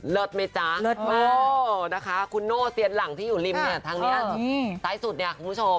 เลิศไหมจ๊ะนะคะคุณโน้เสียดหลังที่อยู่ริมเนี่ยทางนี้ใต้สุดเนี่ยคุณผู้ชม